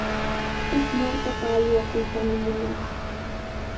Huk markapa aywakuytami munaa.